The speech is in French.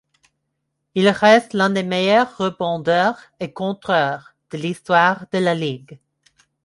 Il reste l'un des meilleurs rebondeurs et contreurs de l'histoire de la ligue.